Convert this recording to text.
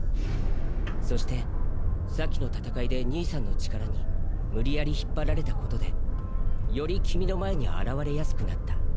そして先の戦いで兄さんの力に無理矢理引っ張られたことでより君の前に現れやすくなった。